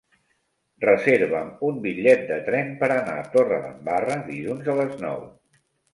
Reserva'm un bitllet de tren per anar a Torredembarra dilluns a les nou.